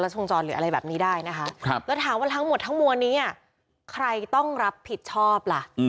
แต่ว่าทั้งหมดทั้งมวลนี้ใครต้องรับผิดชอบล่ะ